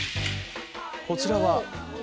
こちらは？